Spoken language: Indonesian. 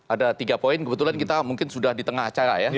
ada tiga poin kebetulan kita mungkin sudah di tengah acara ya